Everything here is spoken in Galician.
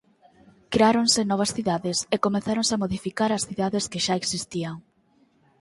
Creáronse novas cidades e comezáronse a modificar as cidades que xa existían.